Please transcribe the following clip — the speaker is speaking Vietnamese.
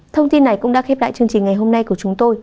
thông tin này cũng đã khép lại chương trình ngày hôm nay của chúng tôi